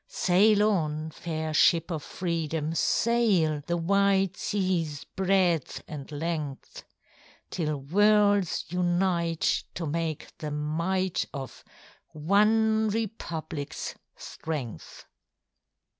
Sail on, fair ship of Freedom, sail The wide seaŌĆÖs breadth and length. ŌĆÖTill worlds unite to make the might Of ŌĆ£One RepublicŌĆÖsŌĆØ strength.